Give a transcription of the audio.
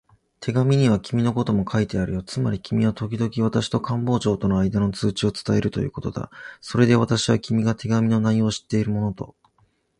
手紙には君のことも書いてあるよ。つまり君はときどき私と官房長とのあいだの通知を伝えるということだ。それで私は、君が手紙の内容を知っているものと